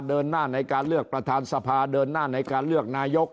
เดินหน้าในการเลือกประธานสภาเดินหน้าในการเลือกนายก